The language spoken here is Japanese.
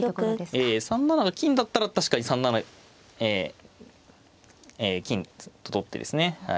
ええ３七の金だったら確かに３七え金と取ってですねはい。